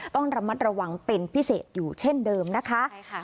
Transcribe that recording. ต้องระมัดระวังเป็นพิเศษอยู่เช่นเดิมนะคะใช่ค่ะ